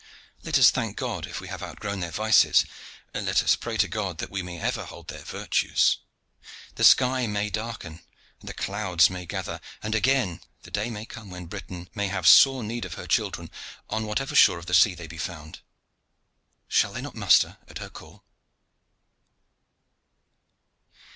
Let us thank God if we have outgrown their vices. Let us pray to God that we may ever hold their virtues. The sky may darken, and the clouds may gather, and again the day may come when Britain may have sore need of her children, on whatever shore of the sea they be found. Shall they not muster at her call?